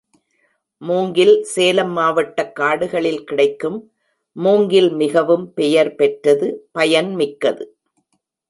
மூங்கில் சேலம் மாவட்டக் காடுகளில் கிடைக்கும் மூங்கில் மிகவும் பெயர் பெற்றது பயன்மிக்கது.